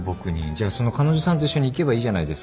じゃあその彼女さんと一緒に行けばいいじゃないですか。